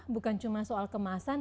bukan cuma soal kemasan